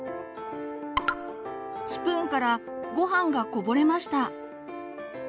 スプーンからごはんがこぼれました。